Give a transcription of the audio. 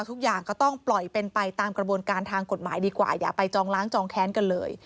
ทุกอย่างก็ต้องปล่อยเป็นไปตามกระบวนการทางกฎหมายดีกว่าอย่าไปจองล้างจองแค้นกันเลย